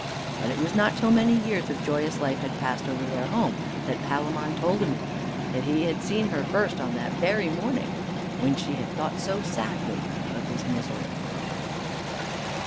But it was not till many years of joyous life had passed over their home that Palamon told Emelia that he had seen her first on that very morning when she had thought so sadly of his misery.